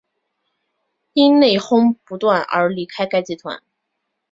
因内哄不断而离开该集团。